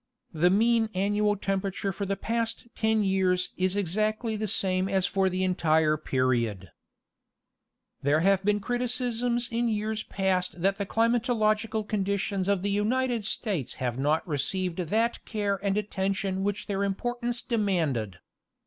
The mean annual temperature for the past ten years is exactly the same as for the entire period. There have been criticisms in years past that the climatological conditions of the United States have not received that care and attention which their importance demanded.